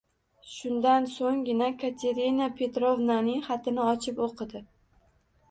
Shundan soʻnggina Katerina Petrovnaning xatini ochib oʻqidi.